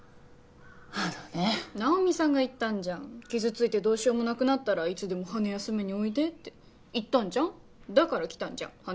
あのね直美さんが言ったんじゃん傷ついてどうしようもなくなったらいつでも羽休めにおいでって言ったんじゃんだから来たんじゃん